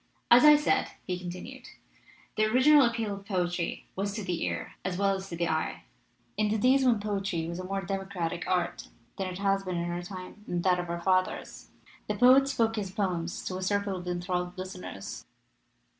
"As I said," he continued, "the original appeal of poetry was to the ear as well as to the eye. In the days when poetry was a more democratic art than it has been in our time and that of our fathers, the poet spoke his poems to a circle of enthralled listeners.